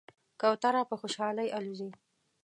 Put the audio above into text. کوتره په خوشحالۍ الوزي.